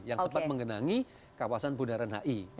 yang sempat menggenangi kawasan bundaran hi